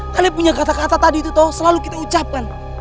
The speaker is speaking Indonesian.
kalian punya kata kata tadi itu selalu kita ucapkan